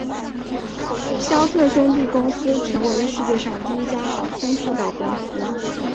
肖特兄弟公司成为了世界上第一家航空制造公司。